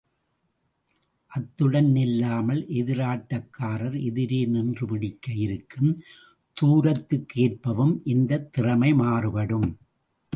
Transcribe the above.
அத்துடன் நில்லாமல், எதிராட்டக்காரர் எதிரே நின்று பிடிக்க இருக்கும் தூரத்திற்கேற்பவும் இந்தத் திறமை மாறுபடும்.